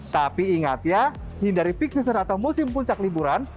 tapi ingat ya hindari fixation atau musim puncak liburan